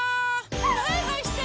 はいはいして！